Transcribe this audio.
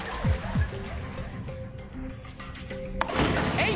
えい！